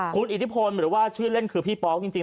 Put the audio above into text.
คุณอิทธิพลหรือว่าชื่อเล่นคือพี่ป๊อกจริง